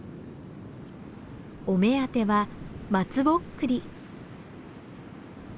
お目当ては松ぼっくり。